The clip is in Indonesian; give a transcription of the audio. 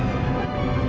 apaan sih ini